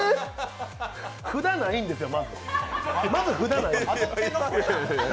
札ないんですよ、まず。